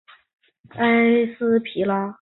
埃斯皮拉。